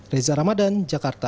reza ramadan jakarta